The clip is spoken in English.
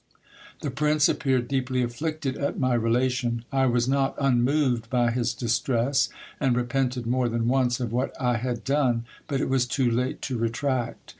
The prince appeared deeply afflicted at my relation. I was not unmoved by his distress, and repented more than once of what I had done ; but it was too late to retract.